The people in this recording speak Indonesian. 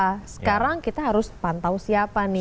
nah sekarang kita harus pantau siapa nih